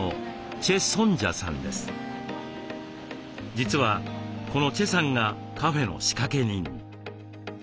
実はこのチェさんがカフェの仕掛け人。